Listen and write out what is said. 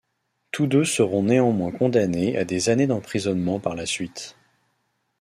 Tous deux seront néanmoins condamnés à des années d’emprisonnement par la suite.